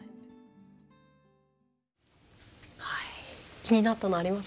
気になったのありますか？